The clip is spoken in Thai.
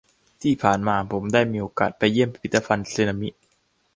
ที่ผ่านมาผมได้มีโอกาสไปเยี่ยมพิพิธภัณฑ์สึนามิ